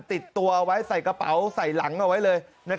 ติดตัวเอาไว้ใส่กระเป๋าใส่หลังเอาไว้เลย